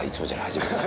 初めてだ。